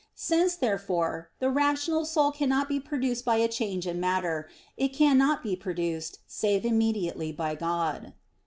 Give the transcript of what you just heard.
Since, therefore, the rational soul cannot be produced by a change in matter, it cannot be produced, save immediately by God.